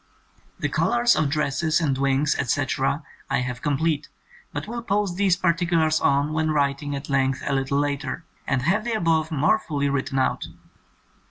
"The colours of dresses and wings, etc., I have complete, but will post these particu lars on when writing at length a little later and have the above more fully written out."